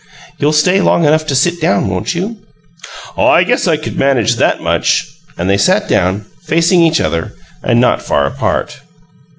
"You'll stay long enough to sit down, won't you?" "I guess I could manage that much." And they sat down, facing each other and not far apart.